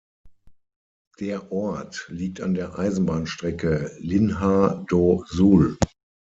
Der Ort liegt an der Eisenbahnstrecke Linha do Sul.